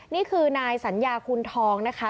นี่คือนายสัญญาคุณทองนะคะ